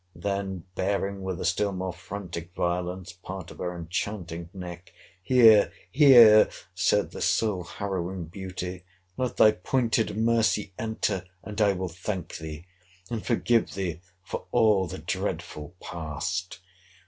—Then, baring, with a still more frantic violence, part of her enchanting neck—Here, here, said the soul harrowing beauty, let thy pointed mercy enter! and I will thank thee, and forgive thee for all the dreadful past!